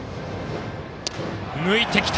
抜いてきた！